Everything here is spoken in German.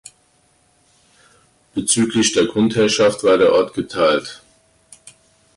Bezüglich der Grundherrschaft war der Ort geteilt.